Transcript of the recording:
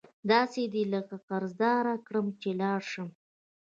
داسي دي لکه قرضدار کره چی لاړ شم